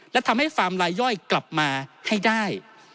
และทำให้ฟาร์มลายย่อยกลับมาให้ได้